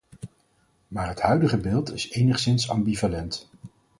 Maar het huidige beeld is enigszins ambivalent.